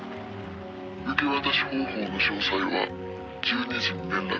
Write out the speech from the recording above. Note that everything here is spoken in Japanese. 「受け渡し方法の詳細は１２時に連絡する」